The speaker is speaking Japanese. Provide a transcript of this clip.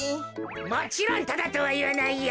もちろんタダとはいわないよ。